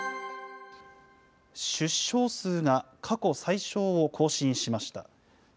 出生数が過去最少を更新しました。